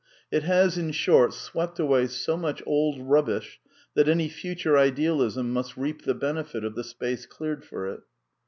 It has, in short, swept away so much old rubbish that any future Idealism must reap the benefit of the space cleared for it.